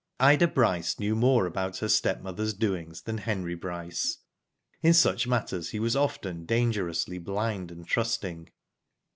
Ida Bryce knew more about her stepmother's doings than Henry Bryce. In such matters he was often dangerously blind and trusting.